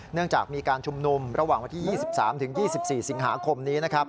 เนื่องจากมีการชุมนุมระหว่างวันที่๒๓๒๔สิงหาคมนี้นะครับ